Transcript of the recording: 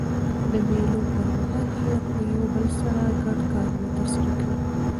د مېلو پر مهال خلک له یو بل سره ګډ کارونه ترسره کوي.